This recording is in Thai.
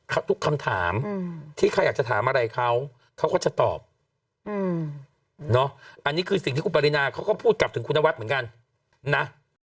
ทุกคำถามที่ใครอยากจะถามอะไรเขาเขาก็จะตอบอันนี้คือสิ่งที่คุณปรินาเขาก็พูดกลับถึงคุณนวัดเหมือนกันนะ